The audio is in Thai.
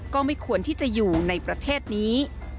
ก็ไม่ควรที่จะอยู่ในประเทศนี้